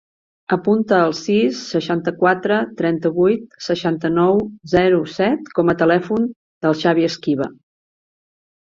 Apunta el sis, seixanta-quatre, trenta-vuit, seixanta-nou, zero, set com a telèfon del Xavi Esquiva.